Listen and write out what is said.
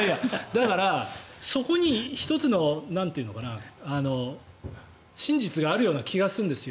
だからそこに１つの真実があるような気がするんです。